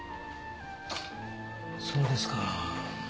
そうですか。